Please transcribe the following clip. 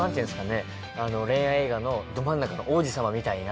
恋愛映画のど真ん中の王子様みたいな。